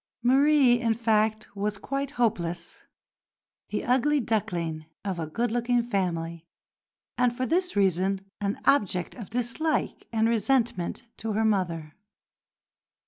Marie, in fact, was quite hopeless, the "ugly duckling" of a good looking family, and for this reason an object of dislike and resentment to her mother.